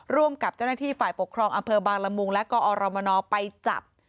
ร่วมกับเจ้าหน้าที่ฝ่ายปกครองอำเภอบางละมุงและกอรมนไปจับ